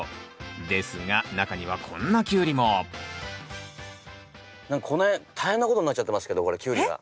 ですが中にはこんなキュウリもこの辺大変なことになっちゃってますけどこれキュウリが。